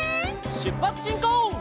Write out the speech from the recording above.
しゅっぱつしんこう！